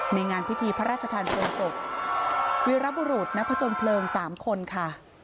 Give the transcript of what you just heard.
ในงานพิธีพระราชทันเผลิงศพวิรับบุรูษนักพจนเผลิงสามคนค่ะ